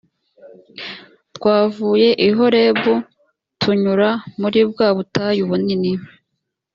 twavuye i horebu tunyura muri bwa butayu bunini